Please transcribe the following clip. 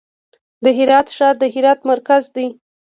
د هرات ښار د هرات مرکز دی